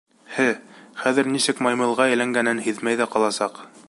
Һе, хәҙер нисек маймылға әйләнгәнен һиҙмәй ҙә ҡаласаҡ.